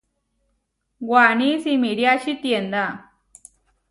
Waní simiriači tiendá.